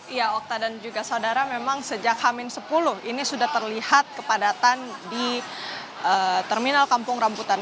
iya okta dan juga saudara memang sejak hamil sepuluh ini sudah terlihat kepadatan di terminal kampung rambutan